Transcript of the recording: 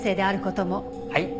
はい。